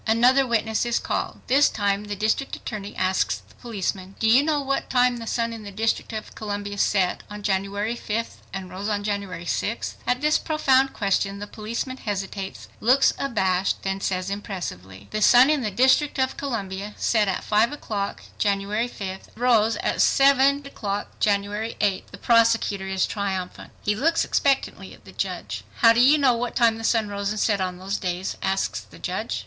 Another witness is called. This time the district attorney asks the policeman,—"Do you know what time the sun in the District of Columbia set on January 5th and rose on January 6th?" At this profound question, the policeman hesitates, looks abashed, then says impressively, "The sun in the District of Columbia set at 5 o'clock January 5th, and rose at 7:28 o'clock January 6th." The prosecutor is triumphant. He looks expectantly at the judge. "How do you know what time the sun rose and set on those days?" asks the judge.